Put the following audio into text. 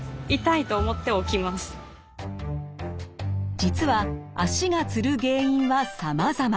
実は足がつる原因はさまざま。